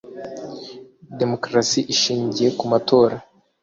demokarasi ishingiye ku matora